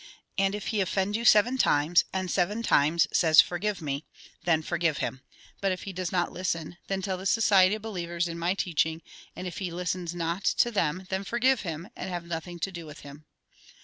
And if he offend you seven times, and seven times says, ' Forgive me,' then forgive him. But if he does not listen, then tell the society of believers in my teaching, and if he listens not to them, then forgive him, and have nothing to do with him.